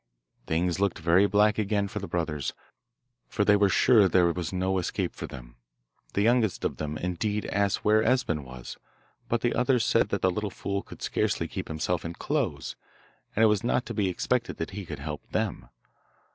Things looked very black again for the brothers, for they were sure there was no escape for them. The youngest of them, indeed, asked where Esben was, but the others said that that little fool could scarcely keep himself in clothes, and it was not to be expected that he could help them.